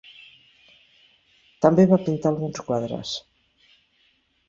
També va pintar alguns quadres.